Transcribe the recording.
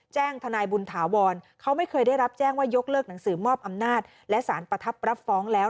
ทนายบุญถาวรเขาไม่เคยได้รับแจ้งว่ายกเลิกหนังสือมอบอำนาจและสารประทับรับฟ้องแล้ว